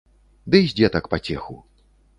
Ды з дзетак пацеху.